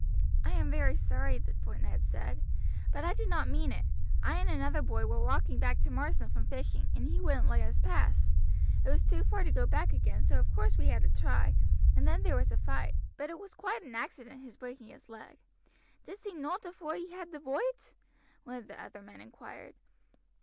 "I am very sorry," Ned said; "but I did not mean it. I and another boy were walking back to Marsden from fishing, and he wouldn't let us pass; it was too far to go back again, so of course we had to try, and then there was a fight, but it was quite an accident his breaking his leg." "Did'st see nowt afore ye had the voight?" one of the other men inquired.